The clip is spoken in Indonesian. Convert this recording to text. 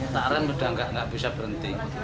taran udah nggak bisa berhenti